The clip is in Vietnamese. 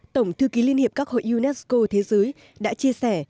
tổng thư ký liên hiệp các hội unesco thế giới đã chia sẻ